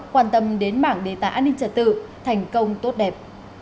quan tâm đến mảng đề tài an ninh trật tự thành công tốt đẹp